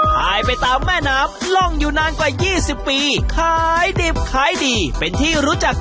ขายไปตามแม่น้ำล่องอยู่นานกว่า๒๐ปี